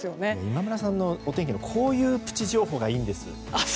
今村さんの天気予報こういう情報がいいんです。